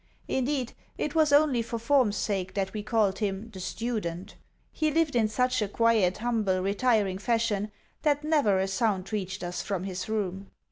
Indeed, it was only for form's sake that we called him "The Student." He lived in such a quiet, humble, retiring fashion that never a sound reached us from his room.